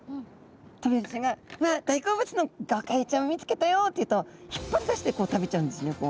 トビハゼちゃんが「わあっ大好物のゴカイちゃんを見つけたよ！」って言うと引っ張り出してこう食べちゃうんですね。